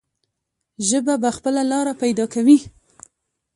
ژبه به خپله لاره پیدا کوي.